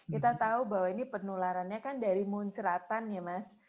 kita tahu bahwa ini penularannya kan dari munceratan ya mas